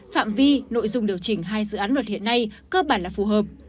phạm vi nội dung điều chỉnh hai dự án luật hiện nay cơ bản là phù hợp